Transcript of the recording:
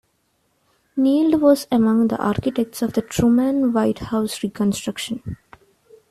Neild was among the architects of the Truman White House reconstruction.